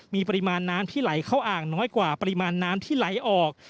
มีปริมาณน้ำที่ไหลเข้าอ่างน้อยกว่าปริมาณน้ำที่ไหลออก